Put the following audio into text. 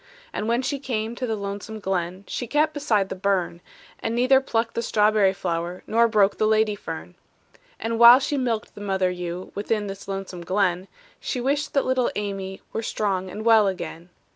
And when she came to the lonesome glen, She kept beside the burn, And neither plucked the strawberry flower Nor broke the lady fern. And while she milked the mother ewe Within this lonesome glen, She wished that little Amy Were strong and well again.